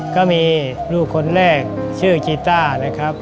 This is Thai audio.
ก็มีลูกคนแรกชื่อกีต้านะครับ